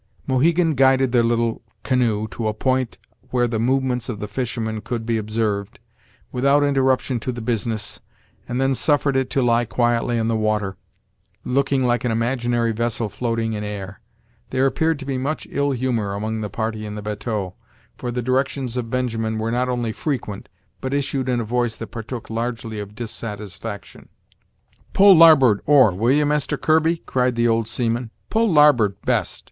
Mohegan guided their little canoe to a point where the movements of the fishermen could be observed, without interruption to the business, and then suffered it to lie quietly on the water, looking like an imaginary vessel floating in air. There appeared to be much ill humor among the party in the batteau, for the directions of Benjamin were not only frequent, but issued in a voice that partook largely of dissatisfaction. "Pull larboard oar, will ye, Master Kirby?" cried the old seaman; "pull larboard best.